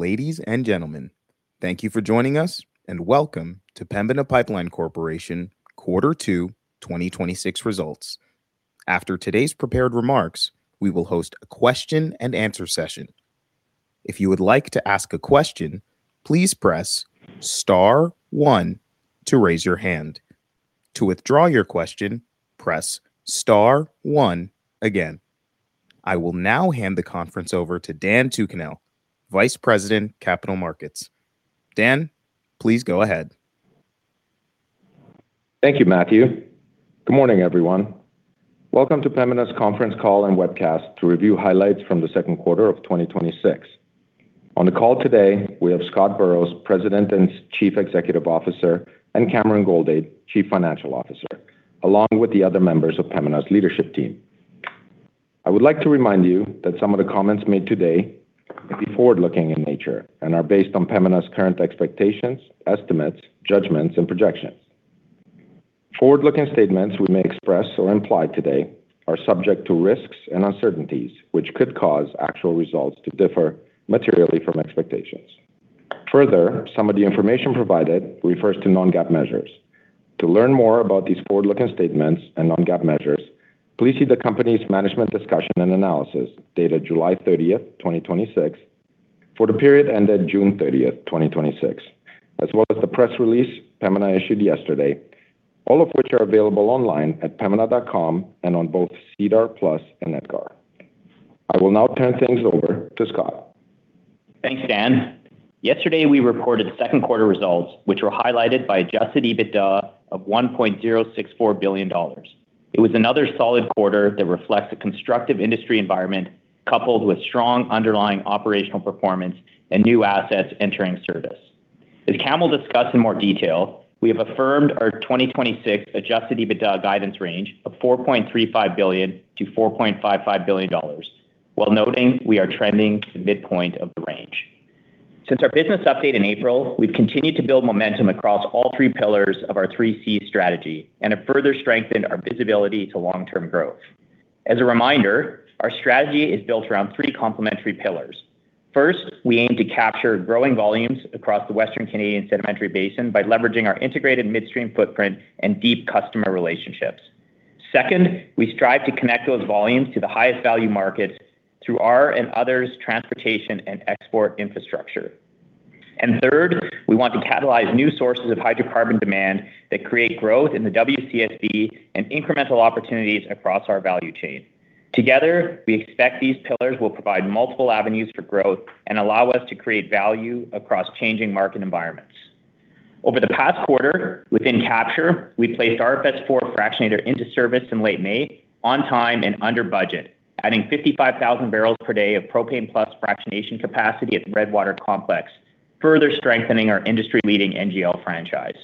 Ladies and gentlemen, thank you for joining us and welcome to Pembina Pipeline Corporation quarter two 2026 results. After today's prepared remarks, we will host a question-and-answer session. If you would like to ask a question, please press star one to raise your hand. To withdraw your question, press star one again. I will now hand the conference over to Dan Tucunel, Vice President, Capital Markets. Dan, please go ahead. Thank you, Matthew. Good morning, everyone. Welcome to Pembina's conference call and webcast to review highlights from the second quarter of 2026. On the call today, we have Scott Burrows, President and Chief Executive Officer, and Cameron Goldade, Chief Financial Officer, along with the other members of Pembina's leadership team. I would like to remind you that some of the comments made today may be forward-looking in nature and are based on Pembina's current expectations, estimates, judgments and projections. Forward-looking statements we may express or imply today are subject to risks and uncertainties, which could cause actual results to differ materially from expectations. Further, some of the information provided refers to non-GAAP measures. To learn more about these forward-looking statements and non-GAAP measures, please see the company's management discussion and analysis dated July 30th, 2026, for the period ended June 30th, 2026, as well as the press release Pembina issued yesterday. All of which are available online at pembina.com and on both SEDAR+ and EDGAR. I will now turn things over to Scott. Thanks, Dan. Yesterday we reported second quarter results, which were highlighted by adjusted EBITDA of 1.064 billion dollars. It was another solid quarter that reflects a constructive industry environment coupled with strong underlying operational performance and new assets entering service. As Cam will discuss in more detail, we have affirmed our 2026 adjusted EBITDA guidance range of 4.35 billion-4.55 billion dollars, while noting we are trending to midpoint of the range. Since our business update in April, we've continued to build momentum across all three pillars of our 3Cs Strategy and have further strengthened our visibility to long-term growth. As a reminder, our strategy is built around three complementary pillars. First, we aim to capture growing volumes across the Western Canadian Sedimentary Basin by leveraging our integrated midstream footprint and deep customer relationships. Second, we strive to connect those volumes to the highest value markets through our and others' transportation and export infrastructure. Third, we want to catalyze new sources of hydrocarbon demand that create growth in the WCSB and incremental opportunities across our value chain. Together, we expect these pillars will provide multiple avenues for growth and allow us to create value across changing market environments. Over the past quarter, within Capture, we placed our RFS IV fractionator into service in late May on time and under budget, adding 55,000 bpd of propane plus fractionation capacity at the Redwater Complex, further strengthening our industry-leading NGL franchise.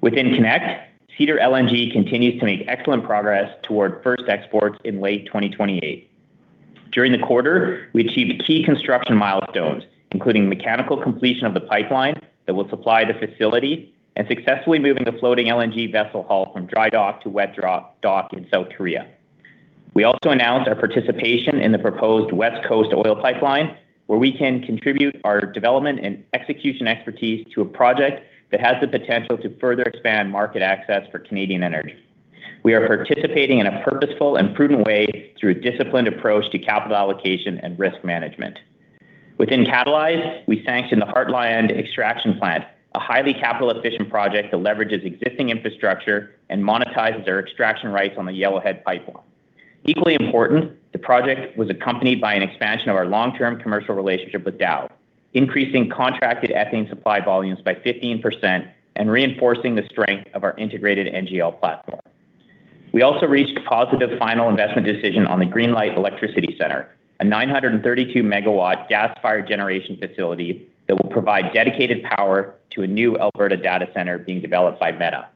Within Connect, Cedar LNG continues to make excellent progress toward first exports in late 2028. During the quarter, we achieved key construction milestones, including mechanical completion of the pipeline that will supply the facility and successfully moving the floating LNG vessel hull from dry dock to wet dock in South Korea. We also announced our participation in the proposed West Coast oil pipeline, where we can contribute our development and execution expertise to a project that has the potential to further expand market access for Canadian energy. We are participating in a purposeful and prudent way through a disciplined approach to capital allocation and risk management. Within Catalyze, we sanctioned the Heartland Extraction Plant, a highly capital-efficient project that leverages existing infrastructure and monetizes our extraction rights on the Yellowhead Pipeline. Equally important, the project was accompanied by an expansion of our long-term commercial relationship with Dow, increasing contracted ethane supply volumes by 15% and reinforcing the strength of our integrated NGL platform. We also reached a positive final investment decision on the Greenlight Electricity Center, a 932 MW gas-fired generation facility that will provide dedicated power to a new Alberta data center being developed by Meta.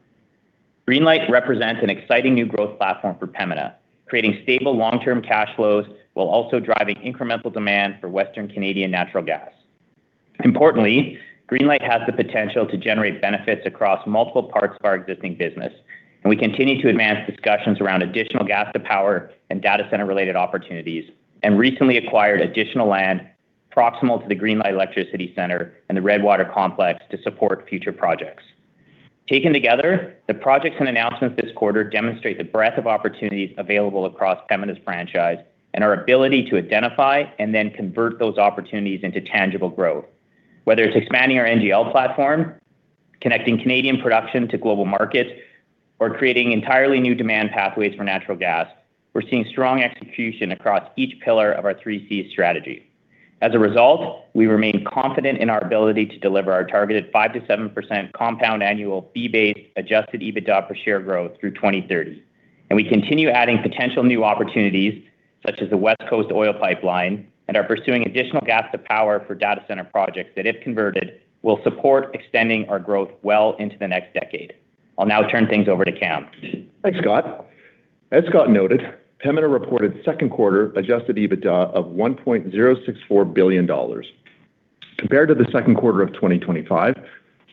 Greenlight represents an exciting new growth platform for Pembina, creating stable long-term cash flows while also driving incremental demand for Western Canadian natural gas. Importantly, Greenlight has the potential to generate benefits across multiple parts of our existing business. We continue to advance discussions around additional gas to power and data center-related opportunities and recently acquired additional land proximal to the Greenlight Electricity Center and the Redwater Complex to support future projects. Taken together, the projects and announcements this quarter demonstrate the breadth of opportunities available across Pembina's franchise and our ability to identify and then convert those opportunities into tangible growth. Whether it's expanding our NGL platform, connecting Canadian production to global markets, or creating entirely new demand pathways for natural gas, we're seeing strong execution across each pillar of our Three C Strategy. As a result, we remain confident in our ability to deliver our targeted 5%-7% compound annual fee-based adjusted EBITDA per share growth through 2030. We continue adding potential new opportunities such as the West Coast oil pipeline and are pursuing additional gas to power for data center projects that, if converted, will support extending our growth well into the next decade. I'll now turn things over to Cam. Thanks, Scott. As Scott noted, Pembina reported second quarter adjusted EBITDA of 1.064 billion dollars. Compared to the second quarter of 2025.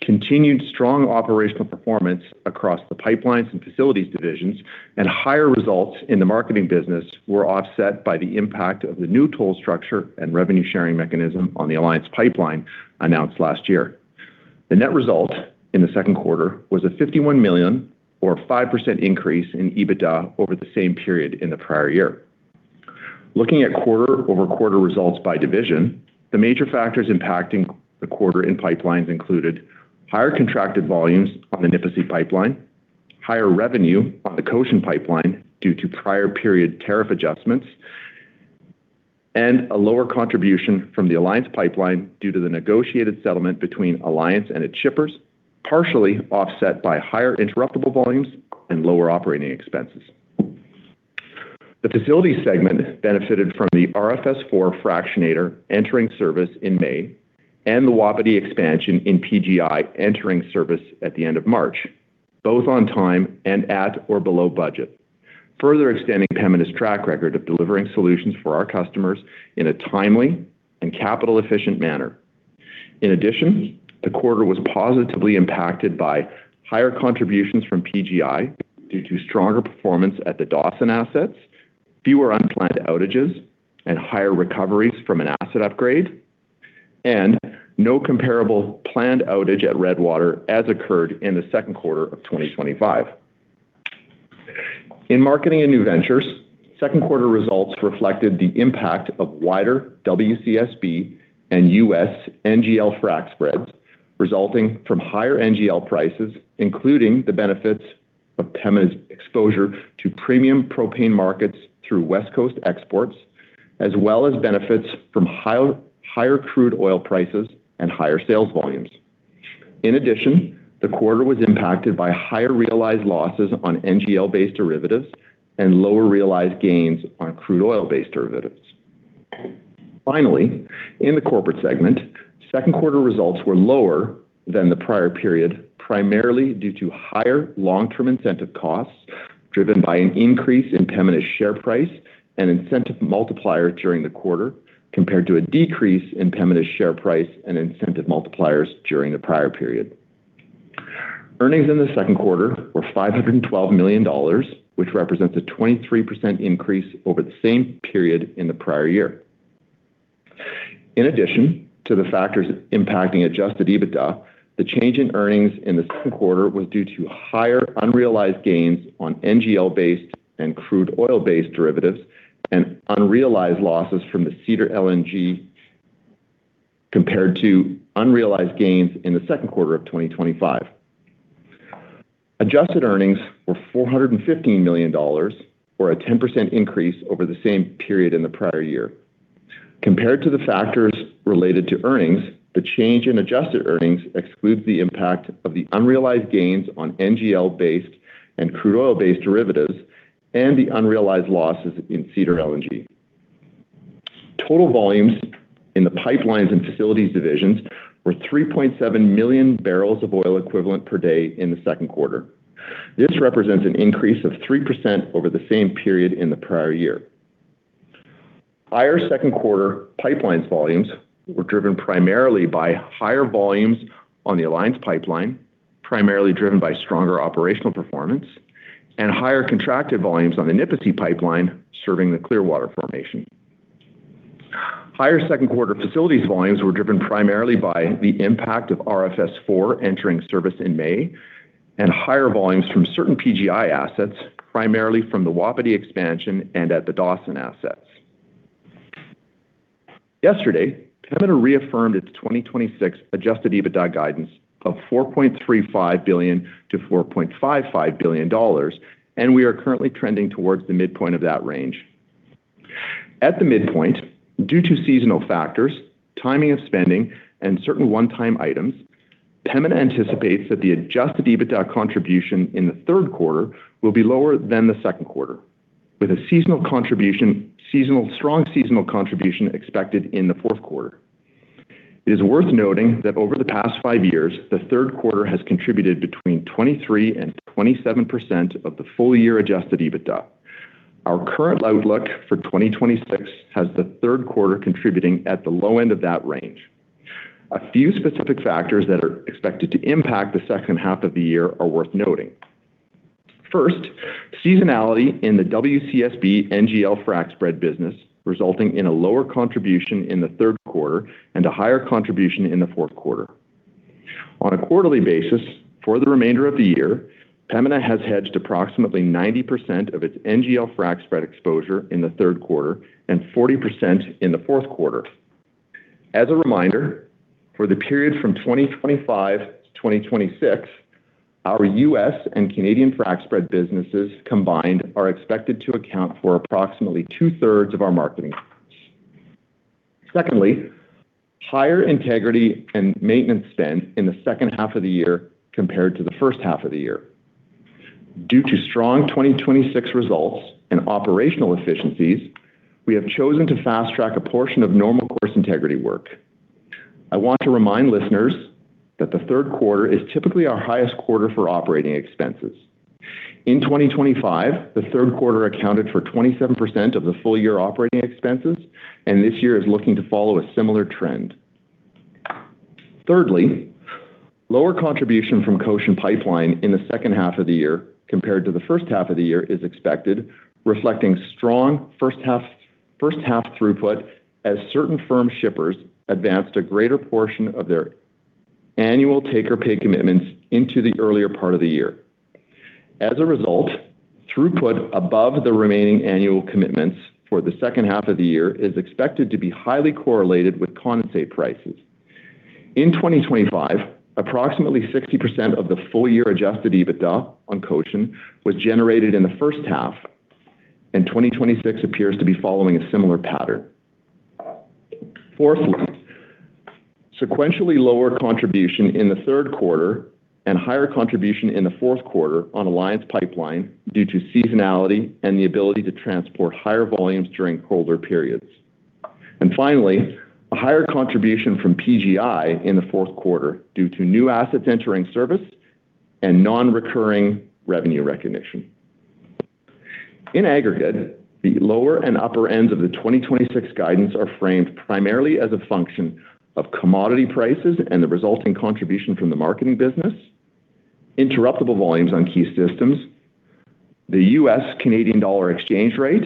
Continued strong operational performance across the pipelines and facilities divisions and higher results in the marketing business were offset by the impact of the new toll structure and revenue-sharing mechanism on the Alliance Pipeline announced last year. The net result in the second quarter was a 51 million or 5% increase in EBITDA over the same period in the prior year. Looking at quarter-over-quarter results by division, the major factors impacting the quarter in pipelines included higher contracted volumes on the Nipisi Pipeline, higher revenue on the Cochin Pipeline due to prior period tariff adjustments, and a lower contribution from the Alliance Pipeline due to the negotiated settlement between Alliance and its shippers, partially offset by higher interruptible volumes and lower operating expenses. The facility segment benefited from the RFS IV fractionator entering service in May and the Wapiti Expansion in PGI entering service at the end of March, both on time and at or below budget. Further extending Pembina's track record of delivering solutions for our customers in a timely and capital-efficient manner. In addition, the quarter was positively impacted by higher contributions from PGI due to stronger performance at the Dawson assets, fewer unplanned outages, and higher recoveries from an asset upgrade, and no comparable planned outage at Redwater as occurred in the second quarter of 2025. In marketing and new ventures, second quarter results reflected the impact of wider WCSB and U.S. NGL frac spreads, resulting from higher NGL prices, including the benefits of Pembina's exposure to premium propane markets through West Coast exports, as well as benefits from higher crude oil prices and higher sales volumes. In addition, the quarter was impacted by higher realized losses on NGL-based derivatives and lower realized gains on crude oil-based derivatives. Finally, in the corporate segment, second-quarter results were lower than the prior period, primarily due to higher long-term incentive costs driven by an increase in Pembina's share price and incentive multiplier during the quarter, compared to a decrease in Pembina's share price and incentive multipliers during the prior period. Earnings in the second quarter were 512 million dollars, which represents a 23% increase over the same period in the prior year. In addition to the factors impacting adjusted EBITDA, the change in earnings in the second quarter was due to higher unrealized gains on NGL-based and crude oil-based derivatives and unrealized losses from the Cedar LNG compared to unrealized gains in the second quarter of 2025. Adjusted earnings were 415 million dollars, or a 10% increase over the same period in the prior year. Compared to the factors related to earnings, the change in adjusted earnings excludes the impact of the unrealized gains on NGL-based and crude oil-based derivatives and the unrealized losses in Cedar LNG. Total volumes in the pipelines and facilities divisions were 3.7 MMbbl of oil equivalent per day in the second quarter. This represents an increase of 3% over the same period in the prior year. Higher second-quarter pipelines volumes were driven primarily by higher volumes on the Alliance Pipeline, primarily driven by stronger operational performance and higher contracted volumes on the Nipisi Pipeline serving the Clearwater formation. Higher second-quarter facilities volumes were driven primarily by the impact of RFS IV entering service in May and higher volumes from certain PGI assets, primarily from the Wapiti Expansion and at the Dawson assets. Yesterday, Pembina reaffirmed its 2026 adjusted EBITDA guidance of 4.35 billion-4.55 billion dollars, we are currently trending towards the midpoint of that range. At the midpoint, due to seasonal factors, timing of spending, and certain one-time items, Pembina anticipates that the adjusted EBITDA contribution in the third quarter will be lower than the second quarter, with a strong seasonal contribution expected in the fourth quarter. It is worth noting that over the past five years, the third quarter has contributed between 23%-27% of the full-year adjusted EBITDA. Our current outlook for 2026 has the third quarter contributing at the low end of that range. A few specific factors that are expected to impact the second half of the year are worth noting. First, seasonality in the WCSB NGL frac spread business, resulting in a lower contribution in the third quarter and a higher contribution in the fourth quarter. On a quarterly basis, for the remainder of the year, Pembina has hedged approximately 90% of its NGL frac spread exposure in the third quarter and 40% in the fourth quarter. As a reminder, for the period from 2025-2026, our U.S. and Canadian frac spread businesses combined are expected to account for approximately two-thirds of our marketing. Secondly, higher integrity and maintenance spend in the second half of the year compared to the first half of the year. Due to strong 2026 results and operational efficiencies, we have chosen to fast-track a portion of normal course integrity work. I want to remind listeners that the third quarter is typically our highest quarter for operating expenses. In 2025, the third quarter accounted for 27% of the full year operating expenses, this year is looking to follow a similar trend. Thirdly, lower contribution from Cochin Pipeline in the second half of the year compared to the first half of the year is expected, reflecting strong first half throughput as certain firm shippers advanced a greater portion of their annual take-or-pay commitments into the earlier part of the year. As a result, throughput above the remaining annual commitments for the second half of the year is expected to be highly correlated with condensate prices. In 2025, approximately 60% of the full year adjusted EBITDA on Cochin was generated in the first half, 2026 appears to be following a similar pattern. Fourthly, sequentially lower contribution in the third quarter and higher contribution in the fourth quarter on Alliance Pipeline due to seasonality and the ability to transport higher volumes during colder periods. Finally, a higher contribution from PGI in the fourth quarter due to new assets entering service and non-recurring revenue recognition. In aggregate, the lower and upper ends of the 2026 guidance are framed primarily as a function of commodity prices and the resulting contribution from the marketing business, interruptible volumes on key systems, the U.S. Canadian dollar exchange rate,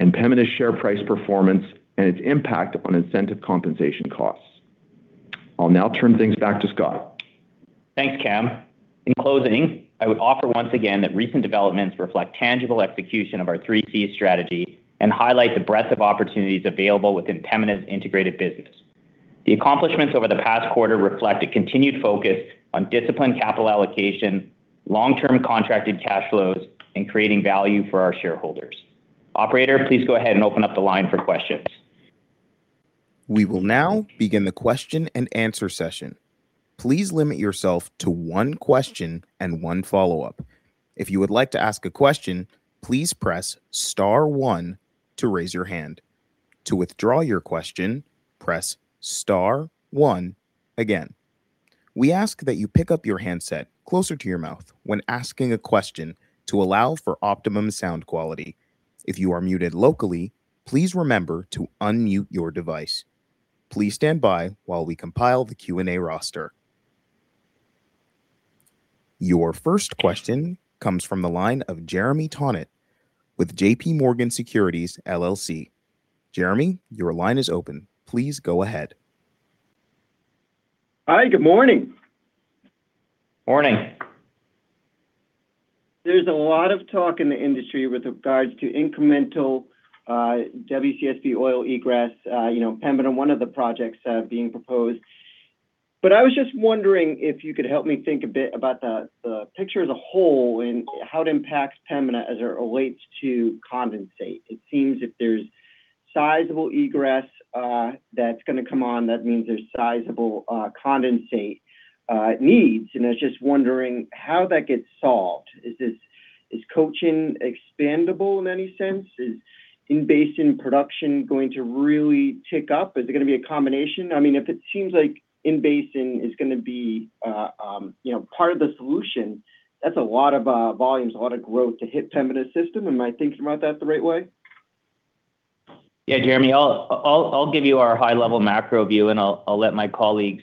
and Pembina's share price performance and its impact on incentive compensation costs. I will now turn things back to Scott. Thanks, Cam. In closing, I would offer once again that recent developments reflect tangible execution of our 3Cs Strategy and highlight the breadth of opportunities available within Pembina's integrated business. The accomplishments over the past quarter reflect a continued focus on disciplined capital allocation, long-term contracted cash flows, and creating value for our shareholders. Operator, please go ahead and open up the line for questions. We will now begin the question-and-answer session. Please limit yourself to one question and one follow-up. If you would like to ask a question, please press star one to raise your hand. To withdraw your question, press star one again. We ask that you pick up your handset closer to your mouth when asking a question to allow for optimum sound quality. If you are muted locally, please remember to unmute your device. Please stand by while we compile the Q&A roster. Your first question comes from the line of Jeremy Tonet with JPMorgan Securities LLC. Jeremy, your line is open. Please go ahead. Hi, good morning. Morning. There's a lot of talk in the industry with regards to incremental WCSB oil egress, Pembina, one of the projects being proposed, but I was just wondering if you could help me think a bit about the picture as a whole and how it impacts Pembina as it relates to condensate. It seems if there's sizable egress that's going to come on, that means there's sizable condensate needs, and I was just wondering how that gets solved. Is Cochin expandable in any sense? Is in-basin production going to really tick up? Is it going to be a combination? If it seems like in-basin is going to be part of the solution, that's a lot of volumes, a lot of growth to hit Pembina's system. Am I thinking about that the right way? Yeah, Jeremy, I'll give you our high-level macro view, and I'll let my colleagues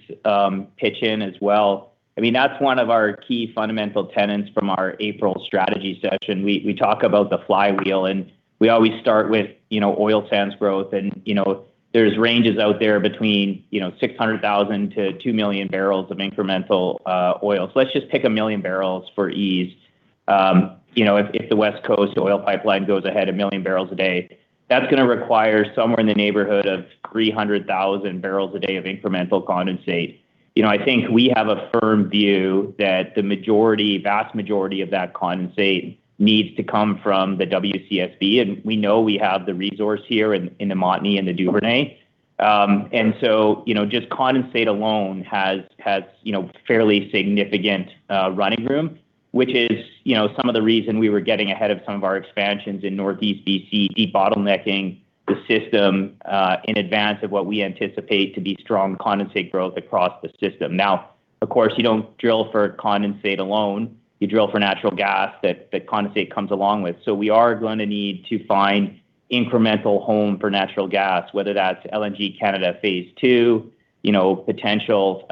pitch in as well. That's one of our key fundamental tenets from our April strategy session. We talk about the flywheel, and we always start with oil sands growth, and there's ranges out there between 600,000 bpd-2 MMbpd of incremental oil. Let's just pick 1 MMbbl for ease. If the West Coast oil pipeline goes ahead 1 MMbpd, that's going to require somewhere in the neighborhood of 300,000 bpd of incremental condensate. I think we have a firm view that the vast majority of that condensate needs to come from the WCSB, and we know we have the resource here in the Montney and the Duvernay. Just condensate alone has fairly significant running room, which is some of the reason we were getting ahead of some of our expansions in Northeast B.C., debottlenecking the system in advance of what we anticipate to be strong condensate growth across the system. Of course, you don't drill for condensate alone. You drill for natural gas that condensate comes along with. We are going to need to find incremental home for natural gas, whether that's LNG Canada phase II, potential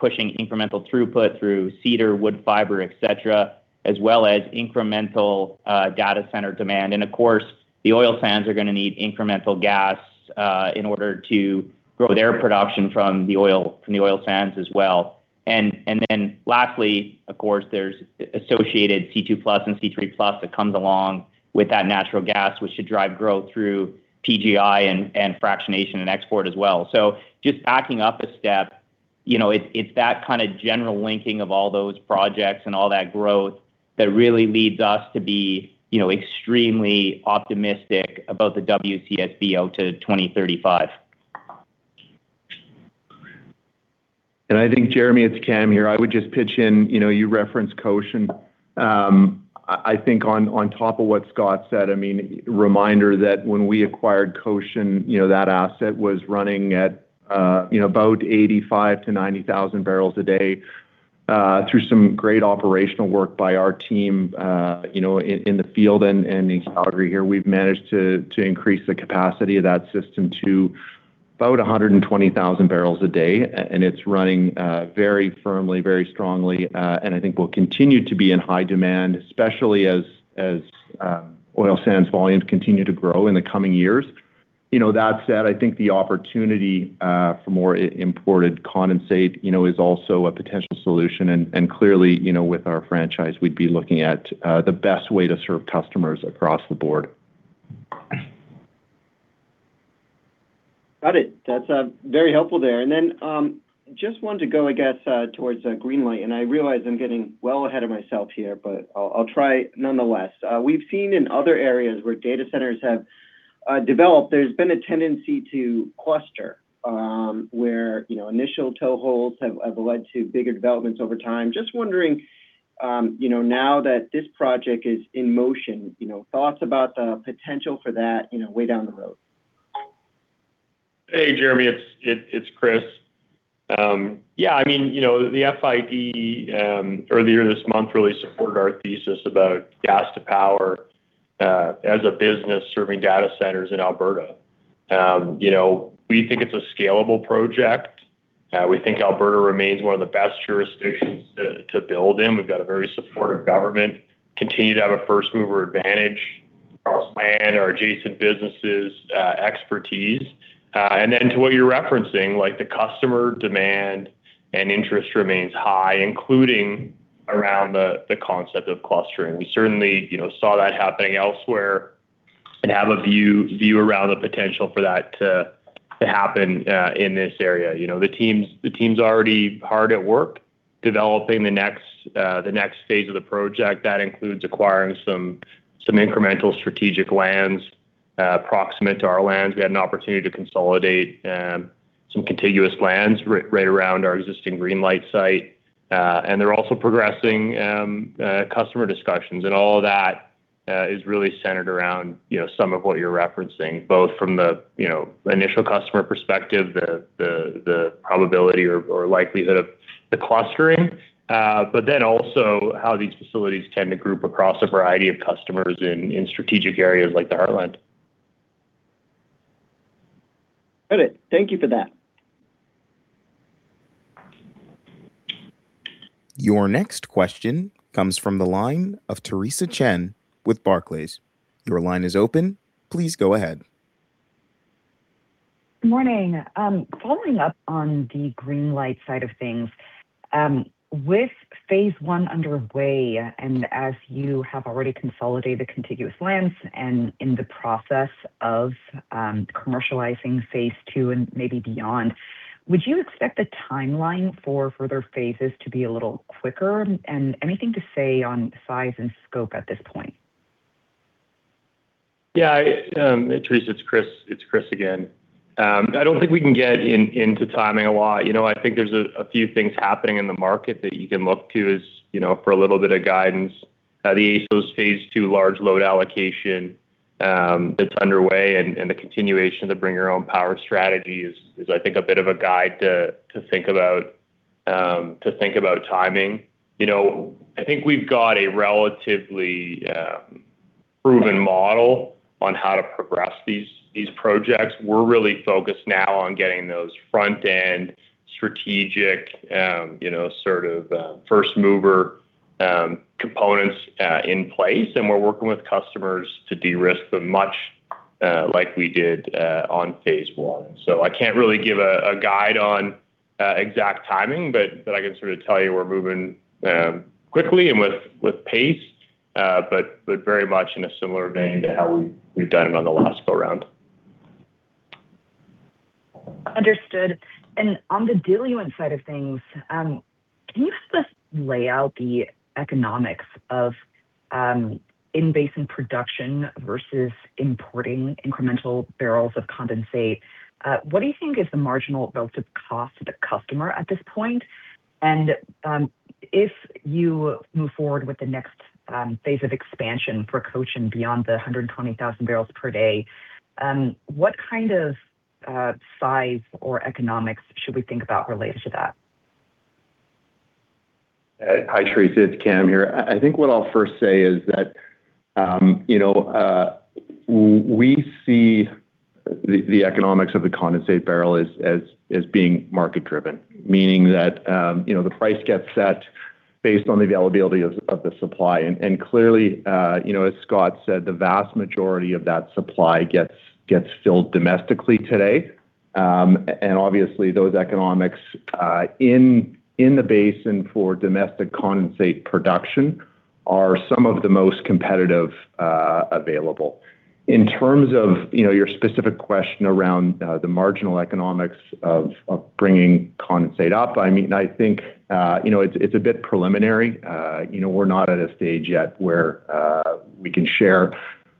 pushing incremental throughput through Cedar, Woodfibre, etc. As well as incremental data center demand. Of course, the oil sands are going to need incremental gas in order to grow their production from the oil sands as well. Lastly, of course, there's associated C2+ and C3+ that comes along with that natural gas, which should drive growth through PGI and fractionation and export as well. Just backing up a step, it's that kind of general linking of all those projects and all that growth that really leads us to be extremely optimistic about the WCSB out to 2035. I think, Jeremy, it's Cam here. I would just pitch in, you referenced Cochin. I think on top of what Scott said, reminder that when we acquired Cochin, that asset was running at about 85,000-90,000 barrels a day Through some great operational work by our team in the field and in Calgary here, we've managed to increase the capacity of that system to about 120,000 bpd, it's running very firmly, very strongly. I think will continue to be in high demand, especially as oil sands volumes continue to grow in the coming years. That said, I think the opportunity for more imported condensate is also a potential solution. Clearly, with our franchise, we'd be looking at the best way to serve customers across the board. Got it. That's very helpful there. Then, just wanted to go, I guess, towards Greenlight. I realize I'm getting well ahead of myself here, but I'll try nonetheless. We've seen in other areas where data centers have developed, there's been a tendency to cluster, where initial toeholds have led to bigger developments over time. Just wondering, now that this project is in motion, thoughts about the potential for that way down the road? Hey, Jeremy. It's Chris. Yeah. The FID earlier this month really supported our thesis about gas-to-power as a business serving data centers in Alberta. We think it's a scalable project. We think Alberta remains one of the best jurisdictions to build in. We've got a very supportive government, continue to have a first-mover advantage across land, our adjacent businesses' expertise. Then to what you're referencing, the customer demand and interest remains high, including around the concept of clustering. We certainly saw that happening elsewhere and have a view around the potential for that to happen in this area. The team's already hard at work developing the next stage of the project. That includes acquiring some incremental strategic lands proximate to our lands. We had an opportunity to consolidate some contiguous lands right around our existing Greenlight site. They're also progressing customer discussions. All that is really centered around some of what you're referencing, both from the initial customer perspective, the probability or likelihood of the clustering, then also how these facilities tend to group across a variety of customers in strategic areas like the Heartland. Got it. Thank you for that. Your next question comes from the line of Theresa Chen with Barclays. Your line is open. Please go ahead. Morning. Following up on the Greenlight side of things. With phase I underway, as you have already consolidated contiguous lands and in the process of commercializing phase II and maybe beyond, would you expect the timeline for further phases to be a little quicker? Anything to say on size and scope at this point? Theresa, it's Chris again. I don't think we can get into timing a lot. I think there's a few things happening in the market that you can look to for a little bit of guidance. The AESO's phase II large load allocation that's underway and the continuation of the bring-your-own-power strategy is, I think, a bit of a guide to think about timing. I think we've got a relatively proven model on how to progress these projects. We're really focused now on getting those front-end, strategic, sort of first-mover components in place, and we're working with customers to de-risk them much like we did on phase I. I can't really give a guide on exact timing, but I can sort of tell you we're moving quickly and with pace, but very much in a similar vein to how we've done it on the last go around. Understood. On the diluent side of things, can you sort of lay out the economics of in-basin production versus importing incremental barrels of condensate? What do you think is the marginal relative cost to the customer at this point? If you move forward with the next phase of expansion for Cochin Pipeline and beyond the 120,000 bpd, what kind of size or economics should we think about related to that? Hi, Theresa. It's Cam here. I think what I'll first say is that we see the economics of the condensate barrel as being market-driven, meaning that the price gets set based on the availability of the supply. Clearly, as Scott said, the vast majority of that supply gets filled domestically today. Obviously those economics in the basin for domestic condensate production are some of the most competitive available. In terms of your specific question around the marginal economics of bringing condensate up, I think it's a bit preliminary. We're not at a stage yet where we can share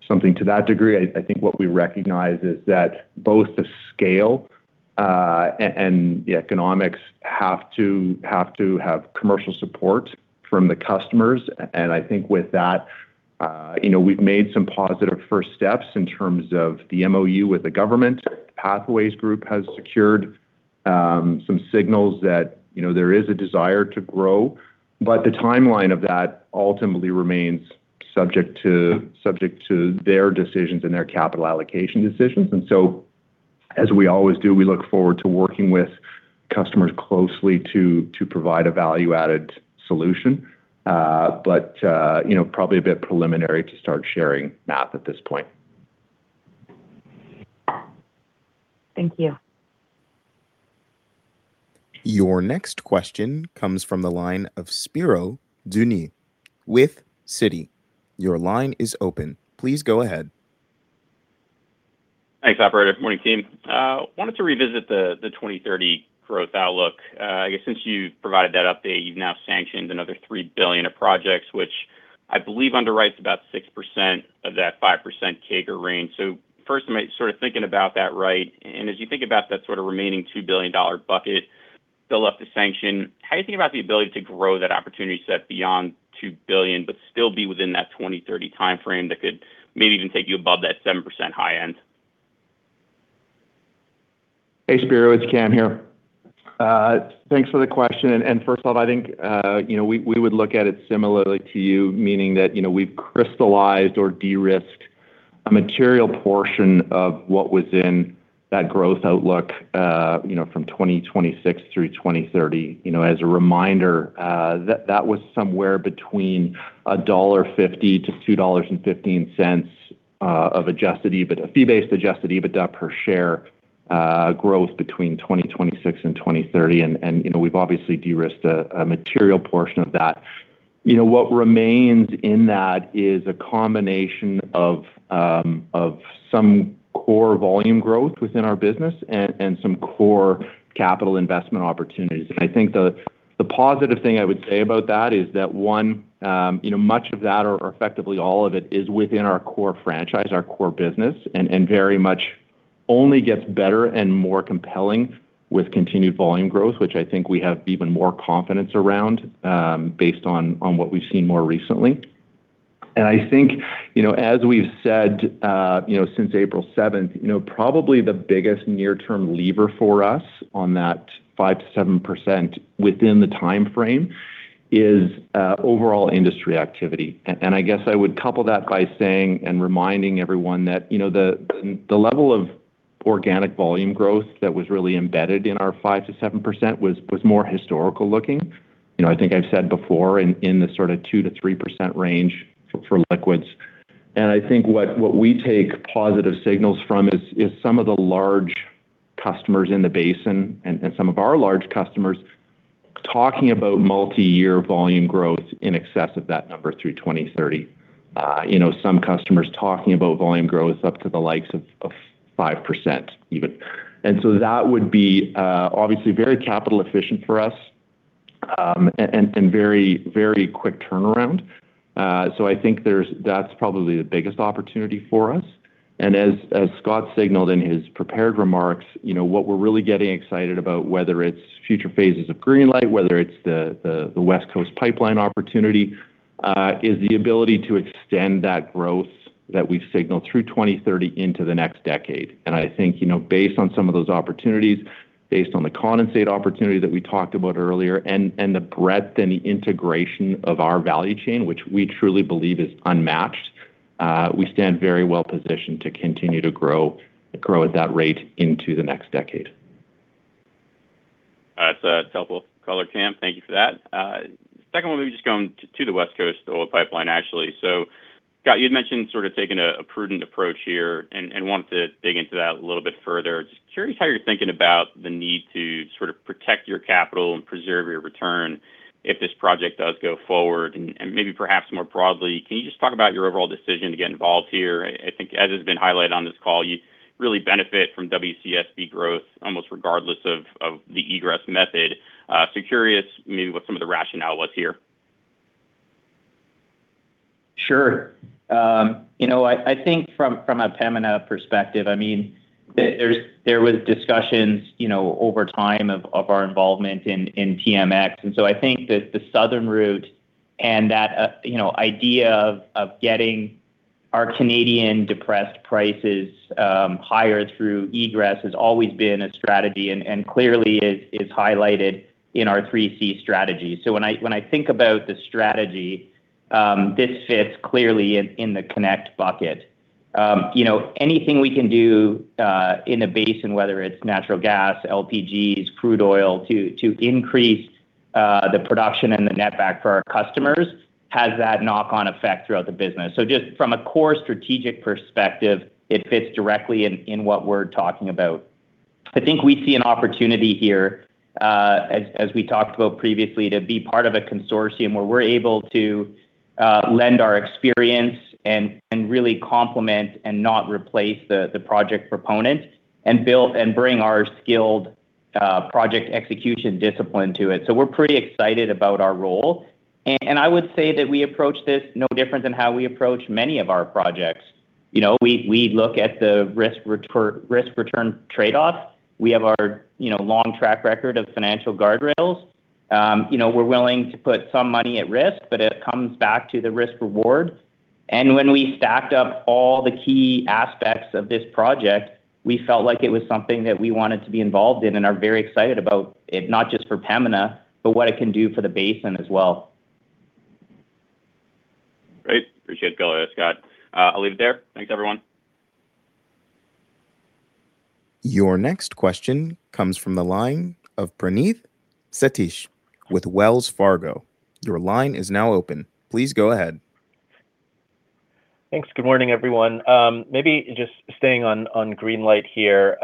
something to that degree. I think what we recognize is that both the scale and the economics have to have commercial support from the customers. I think with that. We've made some positive first steps in terms of the MOU with the government. Pathways Alliance has secured some signals that there is a desire to grow. The timeline of that ultimately remains subject to their decisions and their capital allocation decisions. As we always do, we look forward to working with customers closely to provide a value-added solution. Probably a bit preliminary to start sharing math at this point. Thank you. Your next question comes from the line of Spiro Dounis with Citi. Your line is open. Please go ahead. Thanks, operator. Morning, team. Wanted to revisit the 2030 growth outlook. I guess since you provided that update, you've now sanctioned another 3 billion of projects, which I believe underwrites about 6% of that 5% CAGR range. First, am I sort of thinking about that right? And as you think about that sort of remaining 2 billion dollar bucket still left to sanction, how do you think about the ability to grow that opportunity set beyond 2 billion, but still be within that 2030 timeframe that could maybe even take you above that 7% high end? Hey, Spiro, it's Cam here. Thanks for the question. First of all, I think we would look at it similarly to you, meaning that we've crystallized or de-risked a material portion of what was in that growth outlook from 2026 through 2030. As a reminder, that was somewhere between a 1.50-2.15 dollars of fee-based adjusted EBITDA per share growth between 2026 and 2030. We've obviously de-risked a material portion of that. What remains in that is a combination of some core volume growth within our business and some core capital investment opportunities. The positive thing I would say about that is that much of that, or effectively all of it, is within our core franchise, our core business, and very much only gets better and more compelling with continued volume growth, which I think we have even more confidence around based on what we've seen more recently. As we've said since April 7th, probably the biggest near-term lever for us on that 5%-7% within the timeframe is overall industry activity. I would couple that by saying and reminding everyone that the level of organic volume growth that was really embedded in our 5%-7% was more historical looking. I think I've said before in the sort of 2%-3% range for liquids. What we take positive signals from is some of the large customers in the basin and some of our large customers talking about multi-year volume growth in excess of that number through 2030. Some customers talking about volume growth up to the likes of 5% even. That would be obviously very capital efficient for us and very quick turnaround. That's probably the biggest opportunity for us. As Scott signaled in his prepared remarks, what we're really getting excited about, whether it's future phases of Greenlight, whether it's the West Coast oil pipeline opportunity, is the ability to extend that growth that we've signaled through 2030 into the next decade. Based on some of those opportunities, based on the condensate opportunity that we talked about earlier, and the breadth and the integration of our value chain, which we truly believe is unmatched, we stand very well positioned to continue to grow at that rate into the next decade. That's helpful color, Cam. Thank you for that. Second one, we were just going to the West Coast oil pipeline, actually. Scott, you had mentioned sort of taking a prudent approach here and wanted to dig into that a little bit further. Just curious how you're thinking about the need to sort of protect your capital and preserve your return if this project does go forward. Maybe perhaps more broadly, can you just talk about your overall decision to get involved here? I think as has been highlighted on this call, you really benefit from WCSB growth almost regardless of the egress method. Curious maybe what some of the rationale was here. Sure. I think from a Pembina perspective, there was discussions over time of our involvement in TMX. I think that the southern route and that idea of getting our Canadian depressed prices higher through egress has always been a strategy, clearly is highlighted in our 3Cs Strategy. When I think about the strategy, this fits clearly in the connect bucket. Anything we can do in a basin, whether it's natural gas, LPGs, crude oil, to increase the production and the net back for our customers has that knock-on effect throughout the business. Just from a core strategic perspective, it fits directly in what we're talking about. I think we see an opportunity here, as we talked about previously, to be part of a consortium where we're able to lend our experience and really complement and not replace the project proponent and bring our skilled project execution discipline to it. We're pretty excited about our role. I would say that we approach this no different than how we approach many of our projects. We look at the risk return trade-off. We have our long track record of financial guardrails. We're willing to put some money at risk, but it comes back to the risk/reward. When we stacked up all the key aspects of this project, we felt like it was something that we wanted to be involved in and are very excited about it, not just for Pembina, but what it can do for the basin as well. Great. Appreciate it, Scott. I'll leave it there. Thanks, everyone. Your next question comes from the line of Praneeth Satish with Wells Fargo. Your line is now open. Please go ahead. Thanks. Good morning, everyone. Staying on Greenlight here.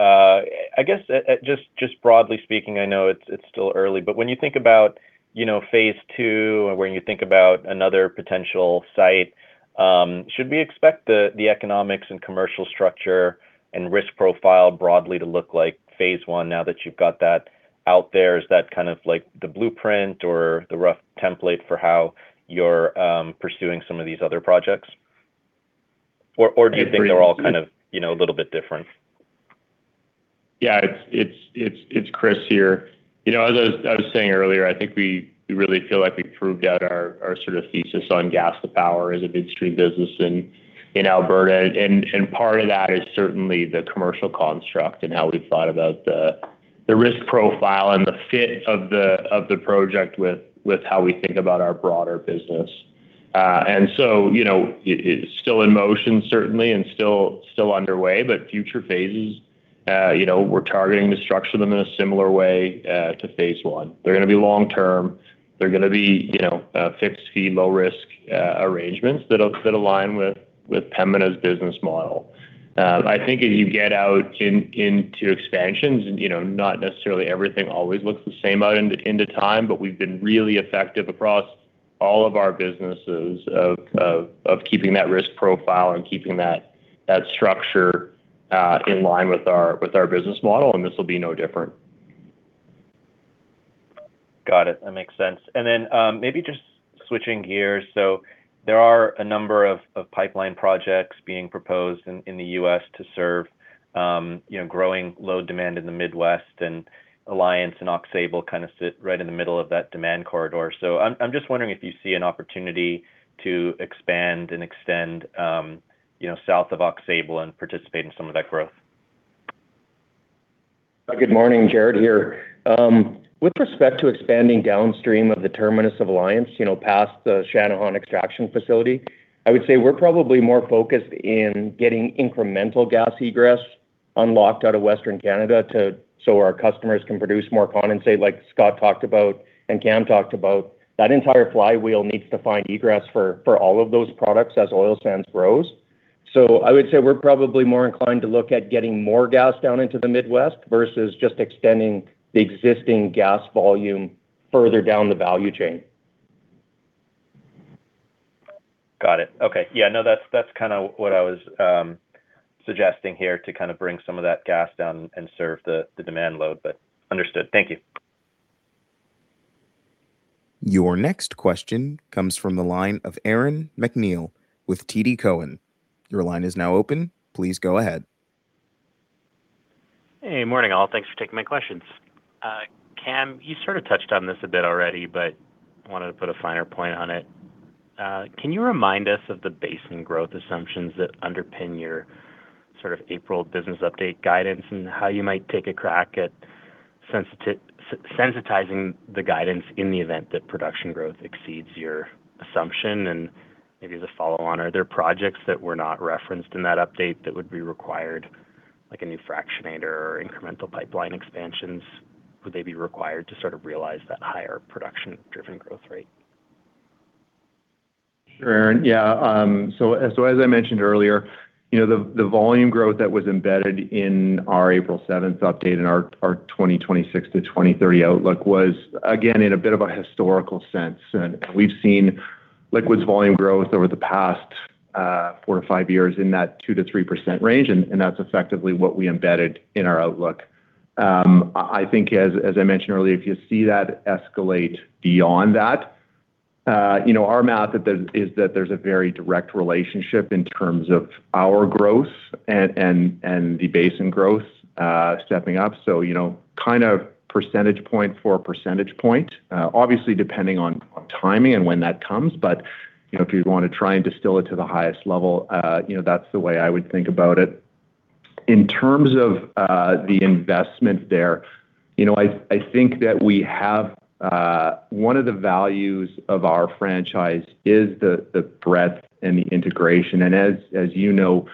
Broadly speaking, I know it's still early, but when you think about phase II and when you think about another potential site, should we expect the economics and commercial structure and risk profile broadly to look like phase I now that you've got that out there? Is that the blueprint or the rough template for how you're pursuing some of these other projects? Do you think they're all a little bit different? It's Chris here. As I was saying earlier, we really feel like we've proved out our thesis on gas to power as a midstream business in Alberta, part of that is certainly the commercial construct and how we've thought about the risk profile and the fit of the project with how we think about our broader business. It's still in motion, certainly, and still underway, but future phases, we're targeting to structure them in a similar way to phase I. They're going to be long-term. They're going to be fixed-fee, low-risk arrangements that align with Pembina's business model. As you get out into expansions, not necessarily everything always looks the same end of time, but we've been really effective across all of our businesses of keeping that risk profile and keeping that structure in line with our business model, this will be no different. Got it. That makes sense. Switching gears, there are a number of pipeline projects being proposed in the U.S. to serve growing load demand in the Midwest, Alliance and Aux Sable sit right in the middle of that demand corridor. I'm just wondering if you see an opportunity to expand and extend south of Aux Sable and participate in some of that growth. Good morning. Jaret here. With respect to expanding downstream of the terminus of Alliance Pipeline, past the Channahon Extraction Facility, I would say we're probably more focused in getting incremental gas egress unlocked out of Western Canada so our customers can produce more condensate, like Scott talked about and Cam talked about. That entire flywheel needs to find egress for all of those products as oil sands grows. I would say we're probably more inclined to look at getting more gas down into the Midwest versus just extending the existing gas volume further down the value chain. Got it. Okay. Yeah, no, that's what I was suggesting here to bring some of that gas down and serve the demand load. Understood. Thank you. Your next question comes from the line of Aaron MacNeil with TD Cowen. Your line is now open. Please go ahead. Hey, morning, all. Thanks for taking my questions. Cam, you sort of touched on this a bit already, wanted to put a finer point on it. Can you remind us of the basin growth assumptions that underpin your April business update guidance and how you might take a crack at sensitizing the guidance in the event that production growth exceeds your assumption? Maybe as a follow-on, are there projects that were not referenced in that update that would be required, like a new fractionator or incremental pipeline expansions? Would they be required to realize that higher production-driven growth rate? Sure, Aaron. As I mentioned earlier, the volume growth that was embedded in our April 7th update and our 2026-2030 outlook was, again, in a bit of a historical sense. We've seen liquids volume growth over the past four or five years in that 2%-3% range, and that's effectively what we embedded in our outlook. I think, as I mentioned earlier, if you see that escalate beyond that, our math is that there's a very direct relationship in terms of our growth and the basin growth stepping up. Percentage point for a percentage point, obviously, depending on timing and when that comes, but if you want to try and distill it to the highest level, that's the way I would think about it. In terms of the investment there, I think that one of the values of our franchise is the breadth and the integration, and as you know,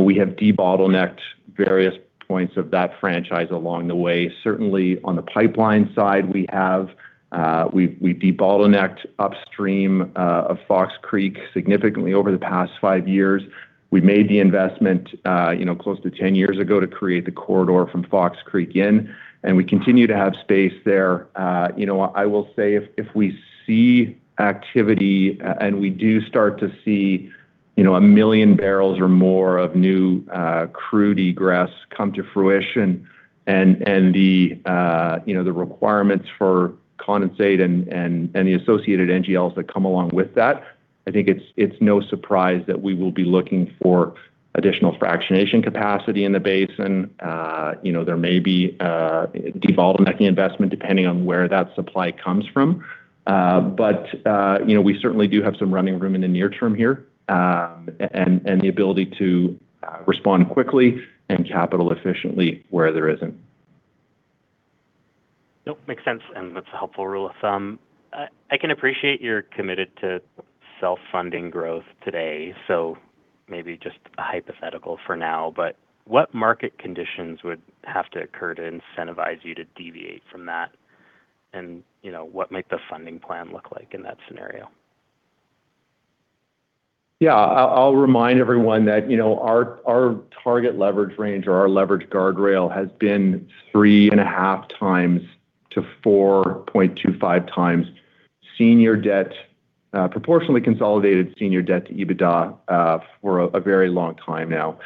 we have de-bottlenecked various points of that franchise along the way. Certainly, on the pipeline side, we de-bottlenecked upstream of Fox Creek significantly over the past five years. We made the investment close to 10 years ago to create the corridor from Fox Creek in, and we continue to have space there. I will say, if we see activity, and we do start to see 1 MMbbl or more of new crude egress come to fruition and the requirements for condensate and the associated NGLs that come along with that I think it's no surprise that we will be looking for additional fractionation capacity in the basin. There may be a devolvement investment depending on where that supply comes from. We certainly do have some running room in the near term here, and the ability to respond quickly and capital efficiently where there isn't. Nope. Makes sense, that's a helpful rule of thumb. I can appreciate you're committed to self-funding growth today, maybe just a hypothetical for now, what market conditions would have to occur to incentivize you to deviate from that? What might the funding plan look like in that scenario? Yeah. I'll remind everyone that our target leverage range or our leverage guardrail has been 3.5x-4.25x senior debt, proportionately consolidated senior debt to EBITDA for a very long time now.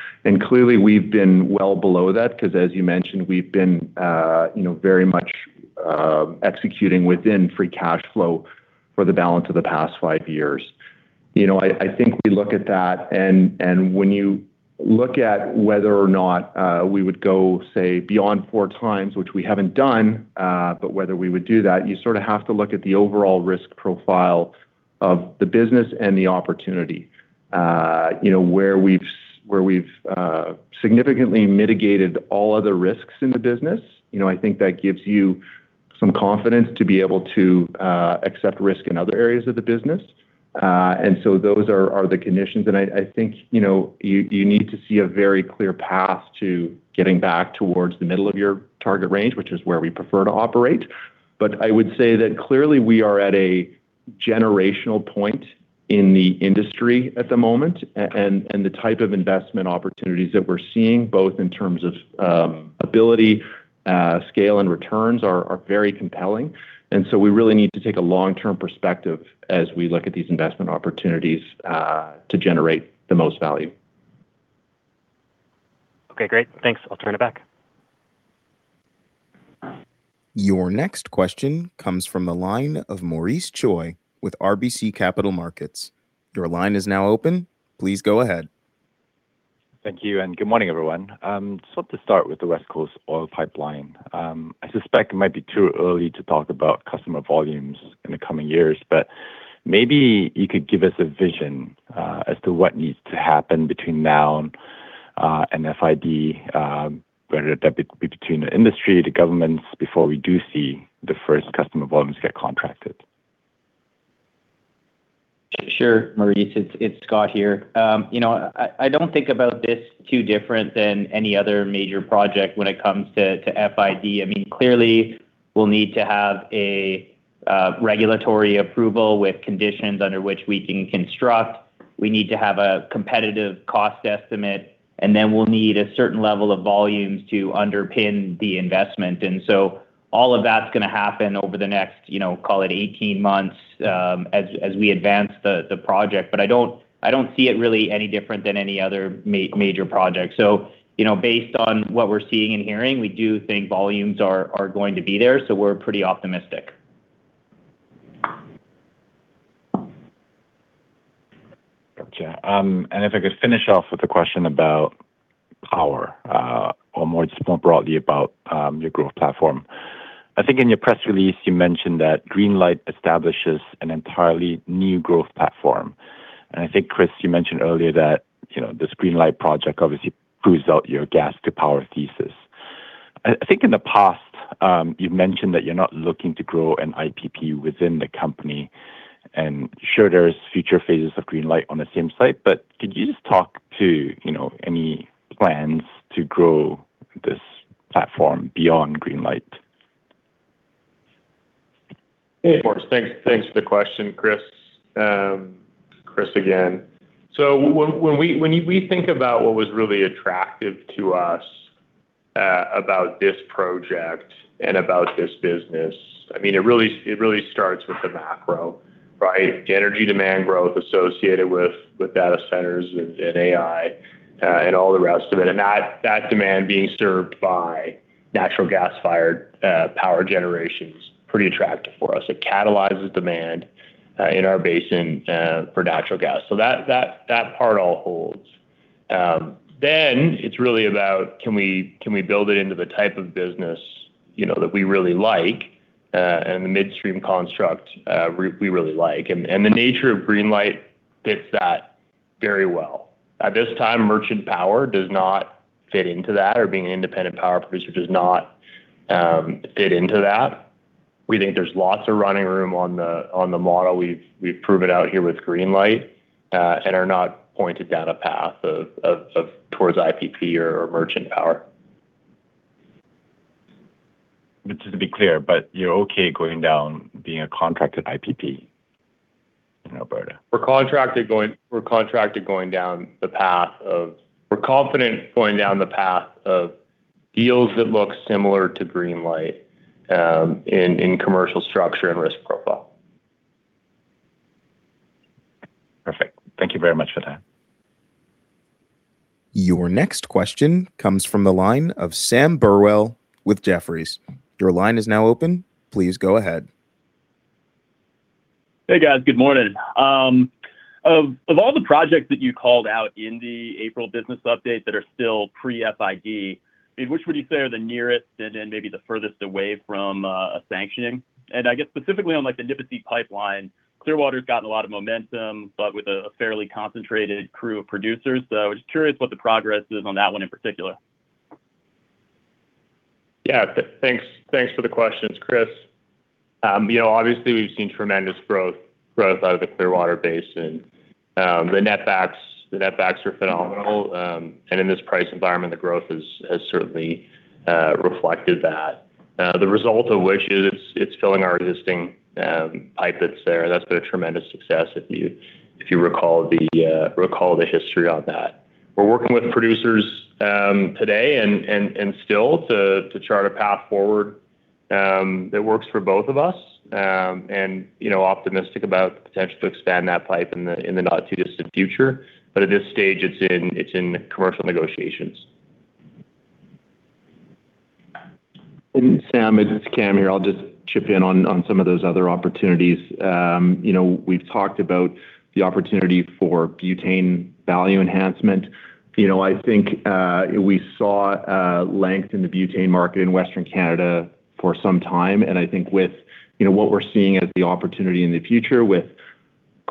Clearly, we've been well below that because, as you mentioned, we've been very much executing within free cash flow for the balance of the past five years. I think we look at that. When you look at whether or not we would go, say, beyond 4x, which we haven't done, but whether we would do that, you sort of have to look at the overall risk profile of the business and the opportunity. Where we've significantly mitigated all other risks in the business, I think that gives you some confidence to be able to accept risk in other areas of the business. So those are the conditions. I think you need to see a very clear path to getting back towards the middle of your target range, which is where we prefer to operate. I would say that clearly we are at a generational point in the industry at the moment. The type of investment opportunities that we're seeing, both in terms of ability, scale, and returns are very compelling. So we really need to take a long-term perspective as we look at these investment opportunities to generate the most value. Okay, great. Thanks. I'll turn it back. Your next question comes from the line of Maurice Choy with RBC Capital Markets. Your line is now open. Please go ahead. Thank you, and good morning, everyone. To start with the West Coast oil pipeline. I suspect it might be too early to talk about customer volumes in the coming years, but maybe you could give us a vision as to what needs to happen between now and FID, whether that be between the industry, the governments, before we do see the first customer volumes get contracted. Sure, Maurice. It's Scott here. I don't think about this too different than any other major project when it comes to FID. Clearly, we'll need to have a regulatory approval with conditions under which we can construct. We need to have a competitive cost estimate, then we'll need a certain level of volumes to underpin the investment. All of that's going to happen over the next, call it 18 months, as we advance the project. I don't see it really any different than any other major project. Based on what we're seeing and hearing, we do think volumes are going to be there, so we're pretty optimistic. Gotcha. If I could finish off with a question about power, or more just more broadly about your growth platform. I think in your press release, you mentioned that Greenlight establishes an entirely new growth platform. I think, Chris, you mentioned earlier that this Greenlight project obviously proves out your gas to power thesis. I think in the past, you've mentioned that you're not looking to grow an IPP within the company. Sure there's future phases of Greenlight on the same site, could you just talk to any plans to grow this platform beyond Greenlight? Hey, Maurice. Thanks for the question. Chris again. When we think about what was really attractive to us about this project and about this business, it really starts with the macro, right? The energy demand growth associated with data centers and AI, and all the rest of it. That demand being served by natural gas-fired power generation's pretty attractive for us. It catalyzes demand in our basin for natural gas. That part all holds. It's really about can we build it into the type of business that we really like, and the midstream construct we really like. The nature of Greenlight fits that very well. At this time, merchant power does not fit into that or being an independent power producer does not fit into that. We think there's lots of running room on the model. We've proved it out here with Greenlight, and are not pointed down a path towards IPP or merchant power. Just to be clear, you're okay going down being a contracted IPP in Alberta? We're contracted going down the path of We're confident going down the path of deals that look similar to Greenlight, in commercial structure and risk profile. Perfect. Thank you very much for that. Your next question comes from the line of Sam Burwell with Jefferies. Your line is now open. Please go ahead. Hey, guys. Good morning. Of all the projects that you called out in the April business update that are still pre-FID, which would you say are the nearest and then maybe the furthest away from sanctioning? I guess specifically on the Nipisi Pipeline, Clearwater's gotten a lot of momentum, but with a fairly concentrated crew of producers. Just curious what the progress is on that one in particular. Yeah, thanks for the questions, Chris. Obviously, we've seen tremendous growth out of the Clearwater basin. The net backs are phenomenal. In this price environment, the growth has certainly reflected that. The result of which is it's filling our existing pipe that's there. That's been a tremendous success if you recall the history on that. We're working with producers today and still to chart a path forward that works for both of us, and optimistic about the potential to expand that pipe in the not too distant future. At this stage, it's in commercial negotiations. Sam, it's Cam here. I'll just chip in on some of those other opportunities. We've talked about the opportunity for butane value enhancement. I think we saw length in the butane market in Western Canada for some time, and I think with what we're seeing as the opportunity in the future with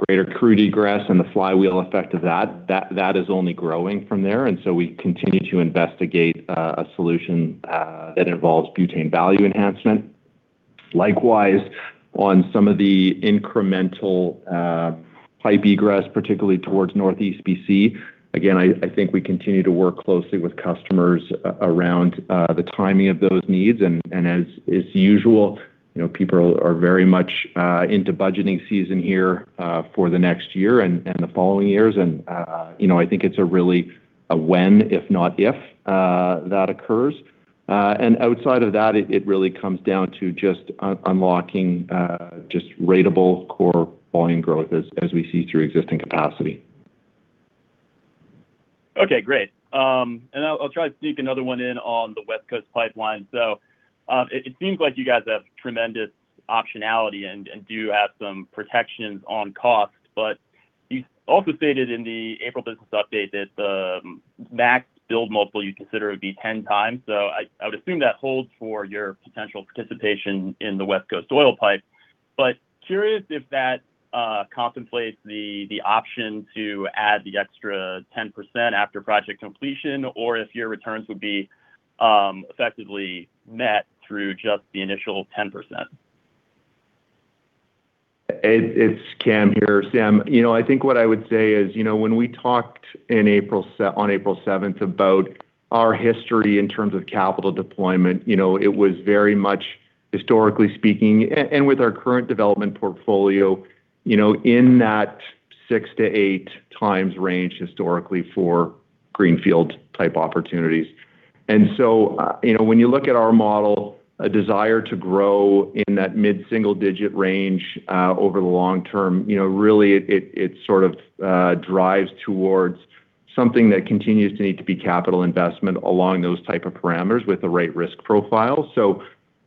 greater crude egress and the flywheel effect of that is only growing from there. We continue to investigate a solution that involves butane value enhancement. Likewise, on some of the incremental pipe egress, particularly towards Northeast B.C. Again, I think we continue to work closely with customers around the timing of those needs, and as is usual, people are very much into budgeting season here for the next year and the following years. I think it's a really a when, if not, if, that occurs. Outside of that, it really comes down to just unlocking just ratable core volume growth as we see through existing capacity. Okay, great. I'll try to sneak another one in on the West Coast oil pipeline. It seems like you guys have tremendous optionality and do have some protections on cost, you also stated in the April business update that the max build multiple you'd consider would be 10x. I would assume that holds for your potential participation in the West Coast oil pipeline. Curious if that contemplates the option to add the extra 10% after project completion or if your returns would be effectively met through just the initial 10%. It's Cam here, Sam. When we talked on April 7th about our history in terms of capital deployment, it was very much historically speaking, with our current development portfolio, in that 6x-8x range historically for greenfield type opportunities. When you look at our model, a desire to grow in that mid-single digit range over the long term, really it sort of drives towards something that continues to need to be capital investment along those type of parameters with the right risk profile.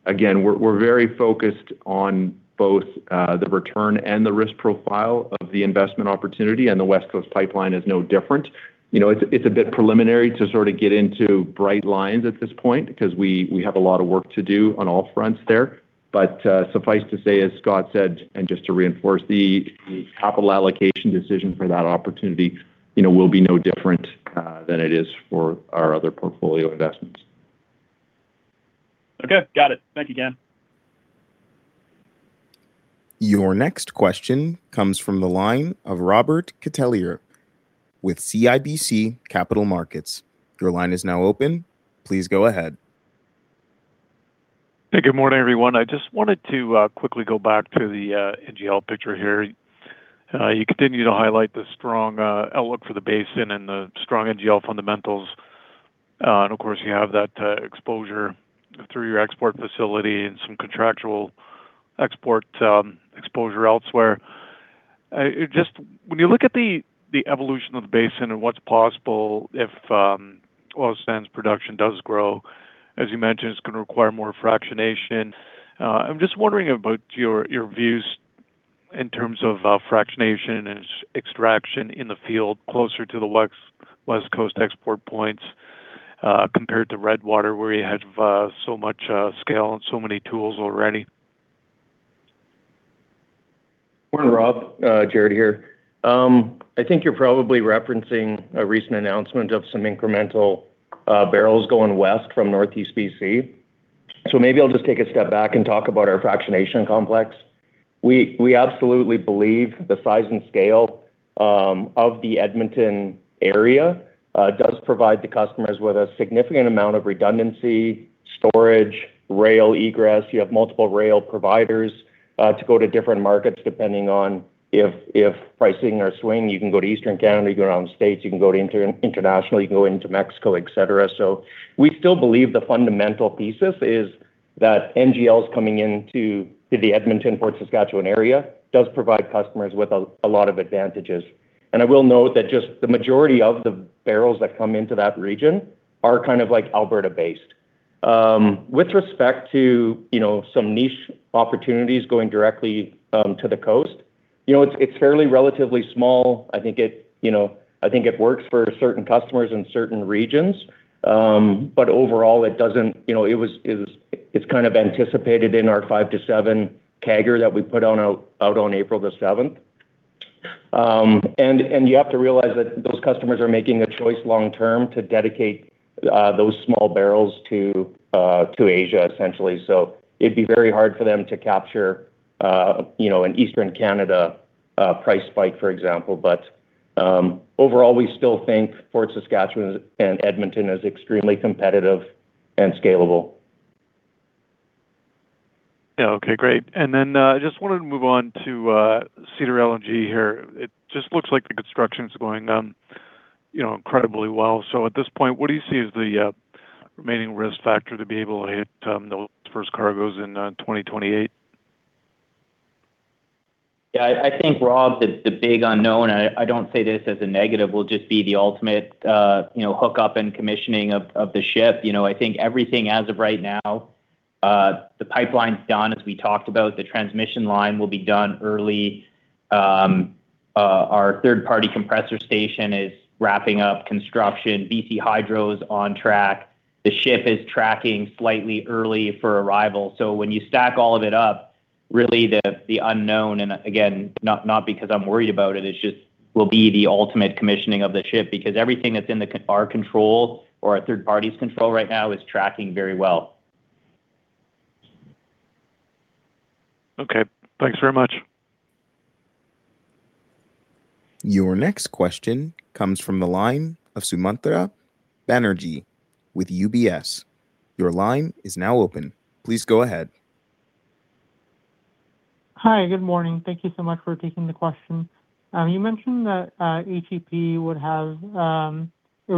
Again, we're very focused on both the return and the risk profile of the investment opportunity, and the West Coast oil pipeline is no different. It's a bit preliminary to sort of get into bright lines at this point because we have a lot of work to do on all fronts there. Suffice to say, as Scott said, and just to reinforce, the capital allocation decision for that opportunity will be no different than it is for our other portfolio investments. Okay, got it. Thank you, Cam. Your next question comes from the line of Robert Catellier with CIBC Capital Markets. Your line is now open. Please go ahead. Hey, good morning, everyone. I just wanted to quickly go back to the NGL picture here. You continue to highlight the strong outlook for the basin and the strong NGL fundamentals. Of course, you have that exposure through your export facility and some contractual export exposure elsewhere. When you look at the evolution of the basin and what's possible if oil sands production does grow, as you mentioned, it's going to require more fractionation. I'm just wondering about your views in terms of fractionation and extraction in the field closer to the West Coast export points compared to Redwater, where you have so much scale and so many tools already. Morning, Rob. Jaret here. I think you're probably referencing a recent announcement of some incremental barrels going west from Northeast B.C. Maybe I'll just take a step back and talk about our fractionation complex. We absolutely believe the size and scale of the Edmonton area does provide the customers with a significant amount of redundancy, storage, rail egress. You have multiple rail providers to go to different markets, depending on if pricing are swinging, you can go to Eastern Canada, you can go down to the States, you can go internationally, you can go into Mexico, etc. We still believe the fundamental thesis is That NGLs coming into the Edmonton-Fort Saskatchewan area does provide customers with a lot of advantages. I will note that just the majority of the barrels that come into that region are kind of Alberta based. With respect to some niche opportunities going directly to the coast, it's fairly relatively small. I think it works for certain customers in certain regions. Overall, it's kind of anticipated in our 5-7 CAGR that we put out on April 7th. You have to realize that those customers are making a choice long-term to dedicate those small barrels to Asia, essentially. It'd be very hard for them to capture an Eastern Canada price spike, for example. Overall, we still think Fort Saskatchewan and Edmonton as extremely competitive and scalable. Yeah. Okay, great. I just wanted to move on to Cedar LNG here. It just looks like the construction's going incredibly well. At this point, what do you see as the remaining risk factor to be able to hit those first cargoes in 2028? Yeah. I think, Rob, the big unknown, I don't say this as a negative, will just be the ultimate hook-up and commissioning of the ship. I think everything as of right now, the pipeline's done, as we talked about. The transmission line will be done early. Our third-party compressor station is wrapping up construction. BC Hydro is on track. The ship is tracking slightly early for arrival. When you stack all of it up, really the unknown, and again, not because I'm worried about it just will be the ultimate commissioning of the ship because everything that's in our control or a third party's control right now is tracking very well. Okay. Thanks very much. Your next question comes from the line of Sumantra Banerjee with UBS. Your line is now open. Please go ahead. Hi. Good morning. Thank you so much for taking the question. You mentioned that HEP it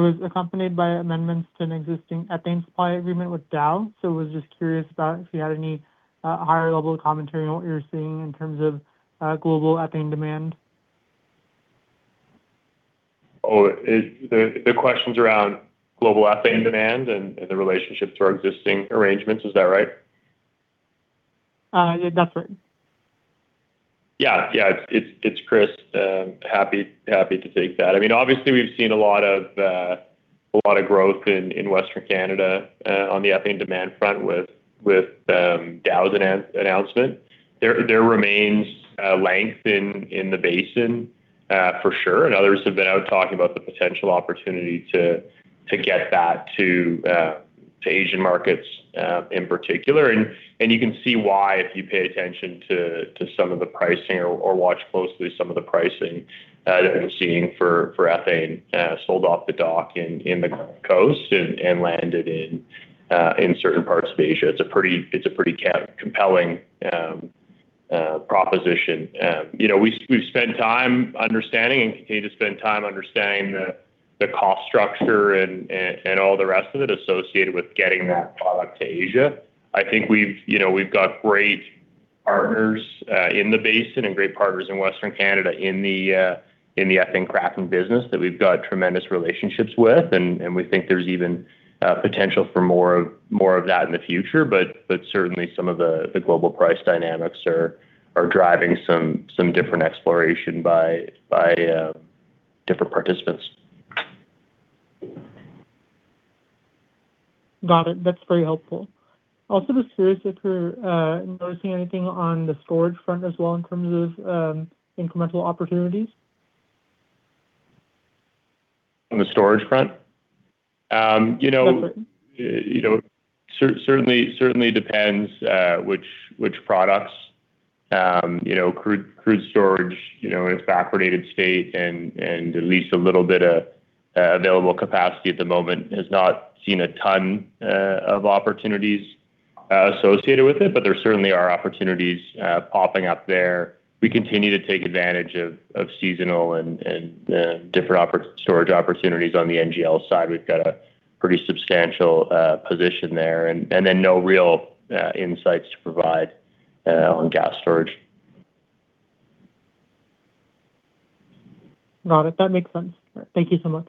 was accompanied by amendments to an existing ethane supply agreement with Dow. Was just curious about if you had any higher level of commentary on what you're seeing in terms of global ethane demand. Oh, the question's around global ethane demand and the relationship to our existing arrangements, is that right? That's right. Yeah. It's Chris. Happy to take that. Obviously, we've seen a lot of growth in Western Canada on the ethane demand front with the Dow's announcement. There remains length in the basin for sure, and others have been out talking about the potential opportunity to get that to Asian markets in particular. You can see why, if you pay attention to some of the pricing or watch closely some of the pricing that I've been seeing for ethane sold off the dock in the coast and landed in certain parts of Asia. It's a pretty compelling proposition. We've spent time understanding and continue to spend time understanding the cost structure and all the rest of it associated with getting that product to Asia. I think we've got great partners in the basin and great partners in Western Canada in the ethane cracking business that we've got tremendous relationships with. We think there's even potential for more of that in the future. Certainly, some of the global price dynamics are driving some different exploration by different participants. Got it. That's very helpful. Also, just curious if you're noticing anything on the storage front as well in terms of incremental opportunities. On the storage front? That's right. It certainly depends which products. Crude storage, in its backwardated state and at least a little bit of available capacity at the moment, has not seen a ton of opportunities associated with it, but there certainly are opportunities popping up there. We continue to take advantage of seasonal and different storage opportunities on the NGL side. We've got a pretty substantial position there, and then no real insights to provide on gas storage. Got it. That makes sense. Thank you so much.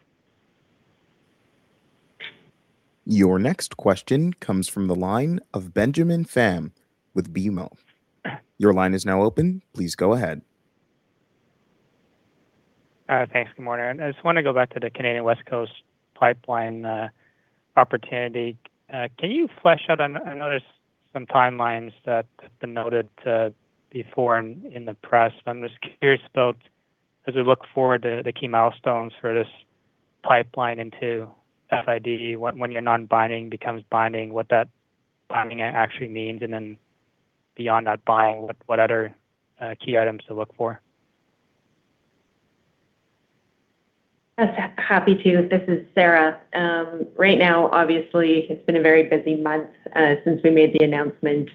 Your next question comes from the line of Benjamin Pham with BMO. Your line is now open. Please go ahead. Thanks. Good morning. I just want to go back to the Canadian West Coast Pipeline opportunity. Can you flesh out, I noticed some timelines that have been noted before in the press. I'm just curious about as we look forward to the key milestones for this pipeline into FID, when your non-binding becomes binding, what that binding actually means, and then beyond that binding, what other key items to look for? Happy to. This is Sarah. Right now, obviously, it's been a very busy month since we made the announcement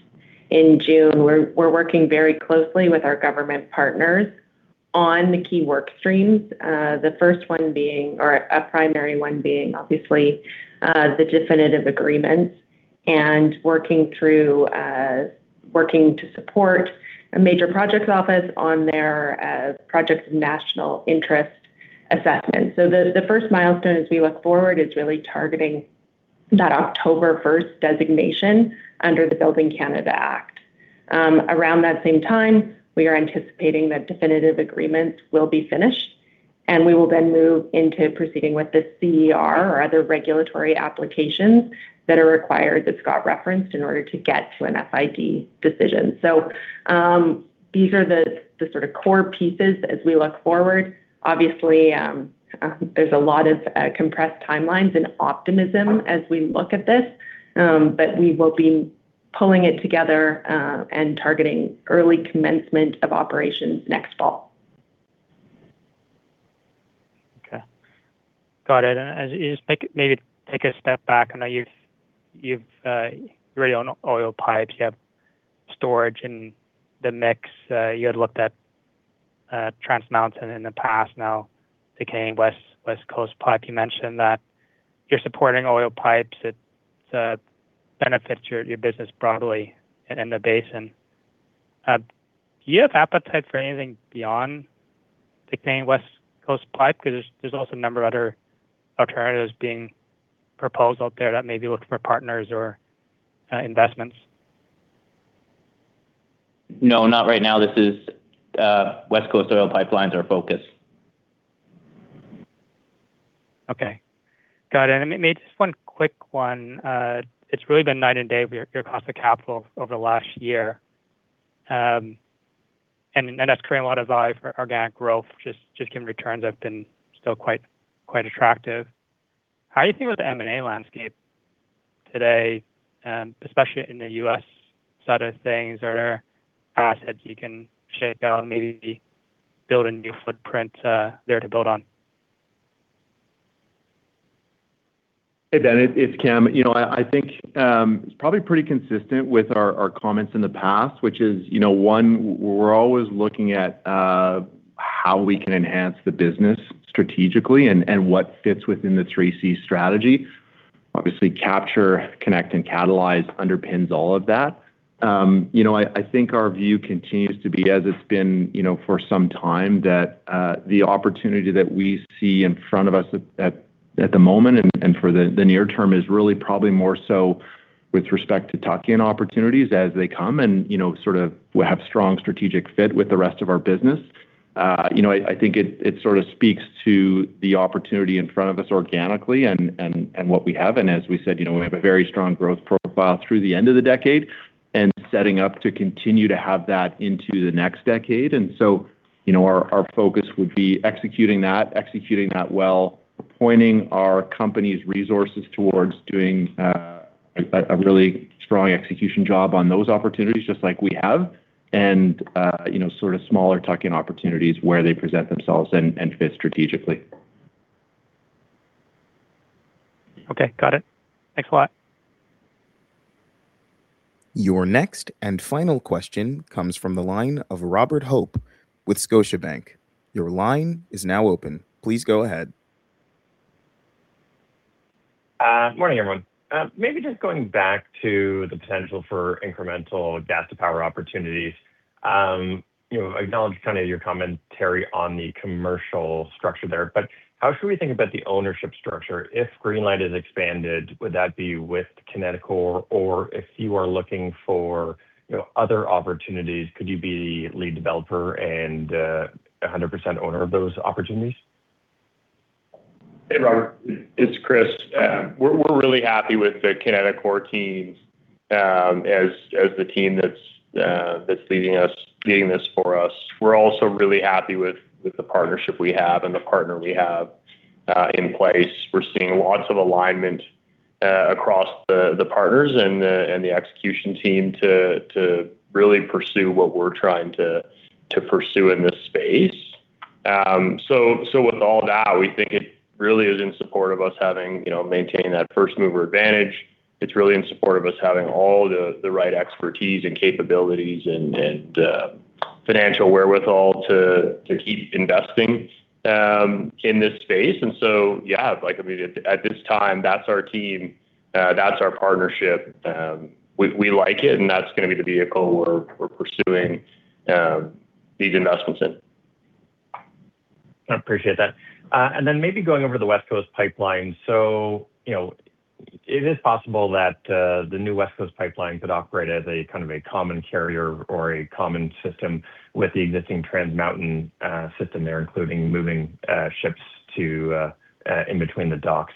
in June. We're working very closely with our government partners on the key work streams, the first one being, or a primary one being, obviously, the definitive agreements and working to support a Major Projects Office on their Projects National Interest Assessment. The first milestone as we look forward is really targeting that October 1st designation under the Building Canada Act. Around that same time, we are anticipating that definitive agreements will be finished, and we will then move into proceeding with the CER or other regulatory applications that are required, that Scott referenced, in order to get to an FID decision. These are the sort of core pieces as we look forward. Obviously, there's a lot of compressed timelines and optimism as we look at this. We will be pulling it together, and targeting early commencement of operations next fall. Okay. Got it. As you just maybe take a step back, I know you have oil pipes, you have storage in the mix. You had looked at Trans Mountain in the past, now taking West Coast Pipe. You mentioned that you're supporting oil pipes that benefits your business broadly and in the basin. Do you have appetite for anything beyond taking West Coast Pipe? There's also a number of other alternatives being proposed out there that may be looking for partners or investments. No, not right now. This is West Coast oil Pipeline, our focus. Okay. Got it. Maybe just one quick one. It's really been night and day for your cost of capital over the last year. That's creating a lot of value for organic growth, just given returns have been still quite attractive. How are you doing with the M&A landscape today, especially in the U.S. side of things? Are there assets you can shake out and maybe build a new footprint there to build on? Hey, Ben, it's Cam. It's probably pretty consistent with our comments in the past, which is, one, we're always looking at how we can enhance the business strategically and what fits within the 3Cs Strategy. Obviously, Capture, Connect, and Catalyze underpins all of that. Our view continues to be as it's been for some time, that the opportunity that we see in front of us at the moment and for the near term is really probably more so with respect to tuck-in opportunities as they come and sort of have strong strategic fit with the rest of our business. It sort of speaks to the opportunity in front of us organically and what we have. As we said, we have a very strong growth profile through the end of the decade and setting up to continue to have that into the next decade. Our focus would be executing that, executing that well, appointing our company's resources towards doing a really strong execution job on those opportunities, just like we have, and sort of smaller tuck-in opportunities where they present themselves and fit strategically. Okay. Got it. Thanks a lot. Your next and final question comes from the line of Robert Hope with Scotiabank. Your line is now open. Please go ahead. Morning, everyone. Maybe just going back to the potential for incremental gas-to-power opportunities. Acknowledge kind of your commentary on the commercial structure there, but how should we think about the ownership structure? If Greenlight is expanded, would that be with Kineticor, or if you are looking for other opportunities, could you be lead developer and 100% owner of those opportunities? Hey, Robert. It's Chris. We're really happy with the Kineticor team as the team that's leading this for us. We're also really happy with the partnership we have and the partner we have in place. We're seeing lots of alignment across the partners and the execution team to really pursue what we're trying to pursue in this space. With all that, we think it really is in support of us maintaining that first-mover advantage. It's really in support of us having all the right expertise and capabilities and financial wherewithal to keep investing in this space. Yeah, at this time, that's our team, that's our partnership. We like it, and that's going to be the vehicle we're pursuing these investments in. I appreciate that. Going over the West Coast Pipeline. It is possible that the new West Coast Pipeline could operate as a kind of a common carrier or a common system with the existing Trans Mountain system there, including moving ships in between the docks.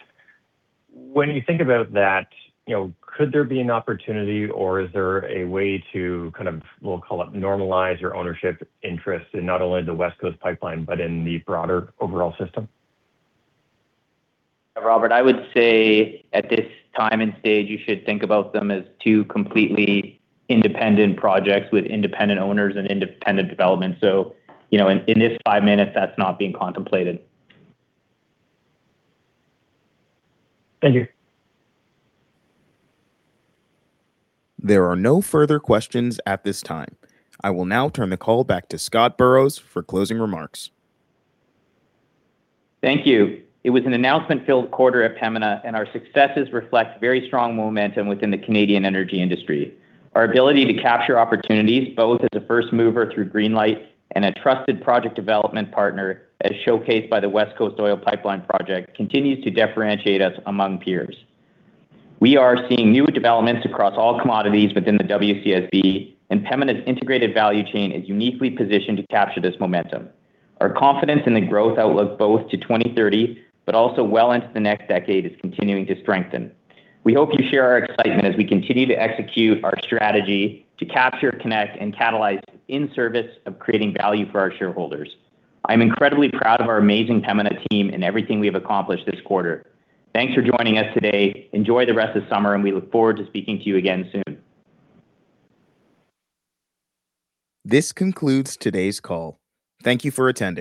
When you think about that, could there be an opportunity or is there a way to kind of, we'll call it, normalize your ownership interest in not only the West Coast Pipeline, but in the broader overall system? Robert, I would say at this time and stage, you should think about them as two completely independent projects with independent owners and independent development. In this five minutes, that's not being contemplated. Thank you. There are no further questions at this time. I will now turn the call back to Scott Burrows for closing remarks. Thank you. It was an announcement-filled quarter at Pembina. Our successes reflect very strong momentum within the Canadian energy industry. Our ability to capture opportunities, both as a first mover through Greenlight and a trusted project development partner, as showcased by the West Coast Oil Pipeline project, continues to differentiate us among peers. We are seeing new developments across all commodities within the WCSB. Pembina's integrated value chain is uniquely positioned to capture this momentum. Our confidence in the growth outlook, both to 2030, but also well into the next decade, is continuing to strengthen. We hope you share our excitement as we continue to execute our strategy to capture, connect, and catalyze in service of creating value for our shareholders. I'm incredibly proud of our amazing Pembina team and everything we have accomplished this quarter. Thanks for joining us today, enjoy the rest of the summer, and we look forward to speaking to you again soon. This concludes today's call. Thank you for attending